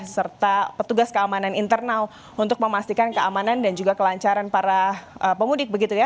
serta petugas keamanan internal untuk memastikan keamanan dan juga kelancaran para pemudik begitu ya